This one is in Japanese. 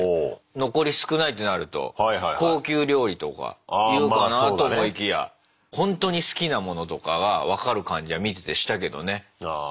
残り少ないってなると高級料理とか言うかなと思いきやほんとに好きなものとかが分かる感じは見ててしたけどね。